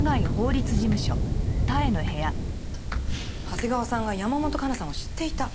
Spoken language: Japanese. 長谷川さんが山本香奈さんを知っていた？